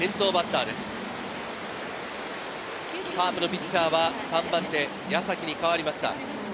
カープのピッチャーは３番手、矢崎に代わりました。